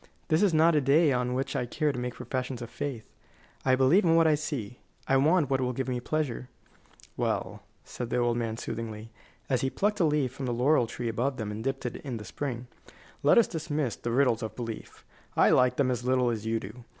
This is not a day on which I care to make professions of faith. I believe in what I see. I want what will give me pleasure." "Well," said the old man, soothingly, as he plucked a leaf from the laurel tree above them and dipped it in the spring, "let us dismiss the riddles of belief. I like them as little as you do.